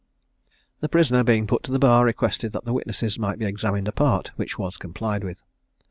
The prisoner, being put to the bar, requested that the witnesses might be examined apart, which was complied with.